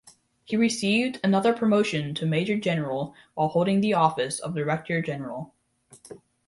He received another promotion to major general while holding the office of director general.